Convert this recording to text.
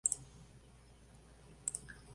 Estuvo confiado a una de sus hermanas en Marsella.